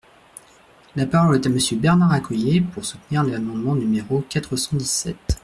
La parole est à Monsieur Bernard Accoyer, pour soutenir l’amendement numéro quatre cent dix-sept.